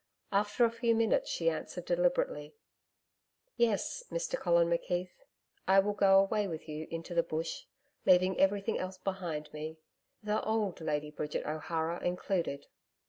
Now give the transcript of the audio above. After a few minutes, she answered deliberately. 'Yes, Mr Colin McKeith, I will go away with you into the Bush, leaving everything else behind me the old "Lady Bridget O'Hara" included.'